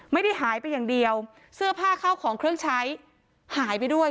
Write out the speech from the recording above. ไม่ได้หายไปอย่างเดียวเสื้อผ้าเข้าของเครื่องใช้หายไปด้วย